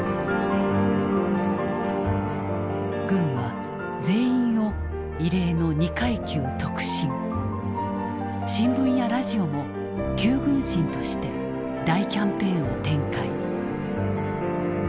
軍は全員を異例の二階級特進新聞やラジオも「九軍神」として大キャンペーンを展開。